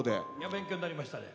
勉強になりましたね。